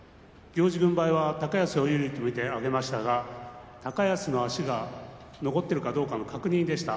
行司軍配は高安を有利と見て上げましたが高安の足が残っているかどうかの確認でした。